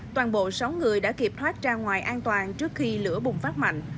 toàn bộ sáu người đã kịp thoát ra ngoài an toàn trước khi lửa bùng phát mạnh